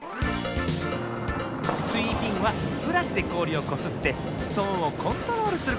スウィーピングはブラシでこおりをこすってストーンをコントロールすること。